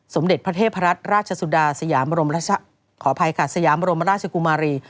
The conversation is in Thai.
สมเด็จพระเทพรัฐราชสุดาสยามรมราชกุมารี